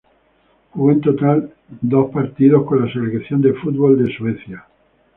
Jugó un total de dos partidos con la selección de fútbol de Suecia.